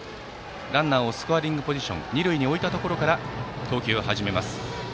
ランナーをスコアリングポジション二塁に置いたところから投球を始めます。